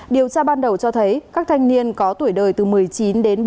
điều tra ban đầu cho thấy các thanh niên có tuổi đời từ một mươi chín đến ba mươi